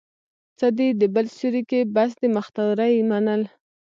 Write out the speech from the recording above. څه دي د بل سيوري کې، بس د مختورۍ منل